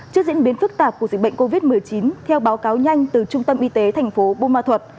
trước diễn biến phức tạp của dịch bệnh covid một mươi chín theo báo cáo nhanh từ trung tâm y tế thành phố buôn ma thuật